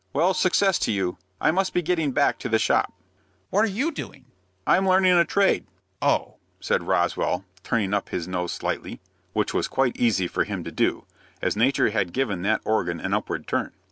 "Well, success to you. I must be getting back to the shop." "What are you doing?" "I'm learning a trade." "Oh!" said Roswell, turning up his nose slightly, which was quite easy for him to do, as nature had given that organ an upward turn.